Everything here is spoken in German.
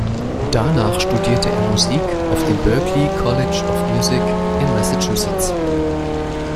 Danach studierte er Musik auf dem Berklee College of Music in Massachusetts.